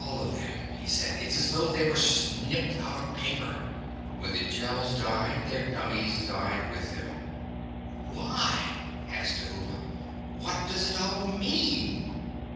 "All of them," he said. "It's as though they were snipped out of paper. When the Gels died their dummies died with them." "Why?" said Dhuva. "What does it all mean?"